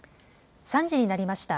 ３時になりました。